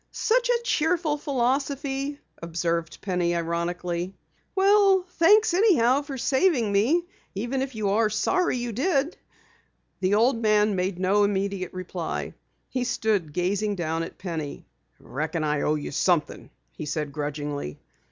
"Such a cheerful philosophy," observed Penny ironically. "Well, thanks anyhow for saving me. Even if you are sorry you did it." The old man made no immediate reply. He stood gazing down at Penny. "Reckon I owe you something," he said grudgingly.